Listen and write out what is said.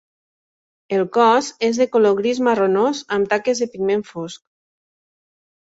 El cos és de color gris-marronós amb taques de pigment fosc.